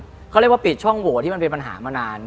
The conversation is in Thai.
เขาเรียกว่าปิดช่องโหวตที่มันเป็นปัญหามานาน